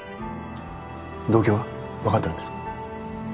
動機は分かってるんですか？